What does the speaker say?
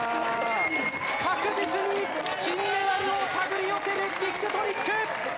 確実に金メダルを手繰り寄せるビッグトリック！